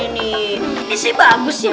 ini sih bagus ya